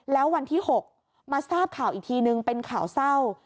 แล้ววันที่๖มาทราบข่าวอีกทีนึงเป็นข่าวเศร้า